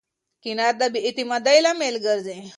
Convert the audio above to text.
کینه د بې اعتمادۍ لامل ګرځي.